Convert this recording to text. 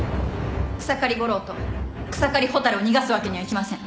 草刈悟郎と草刈蛍を逃がすわけにはいきません。